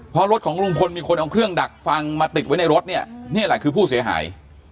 เพราะรถของลุงพลมีคนเอาเครื่องดักฟังมาติดไว้ในรถเนี่ยนี่แหละคือผู้เสียหาย